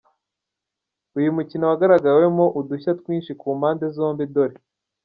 Uyu mukino wagaragayemo udushya twinshi ku mpande zombi dore.